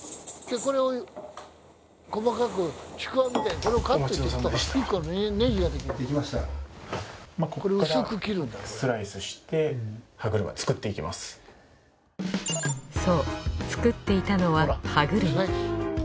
ここからそう作っていたのは歯車。